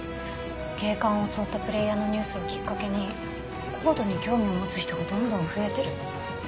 警官を襲ったプレイヤーのニュースをキッカケにＣＯＤＥに興味を持つ人がどんどん増えてる。